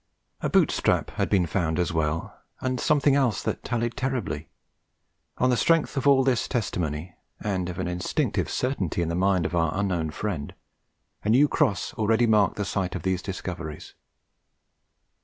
A boot strap had been found as well, and something else that tallied terribly; on the strength of all this testimony, and of an instinctive certainty in the mind of our unknown friend, a new cross already marked the site of these discoveries.